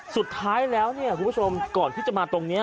สุดท้ายแล้วเนี่ยคุณผู้ชมก่อนที่จะมาตรงนี้